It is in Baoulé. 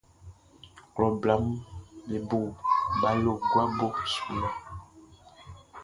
Klɔ blaʼm be bo balo guabo su lɔ.